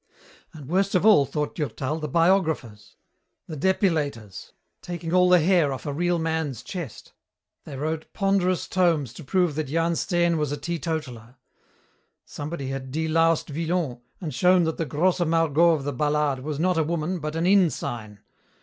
And worst of all, thought Durtal, the biographers. The depilators! taking all the hair off a real man's chest. They wrote ponderous tomes to prove that Jan Steen was a teetotaler. Somebody had deloused Villon and shown that the Grosse Margot of the ballade was not a woman but an inn sign.